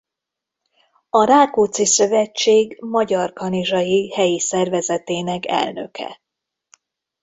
A Rákóczi Szövetség magyarkanizsai helyi szervezetének elnöke.